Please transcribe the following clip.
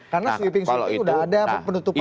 karena sweeping suit itu udah ada penutupan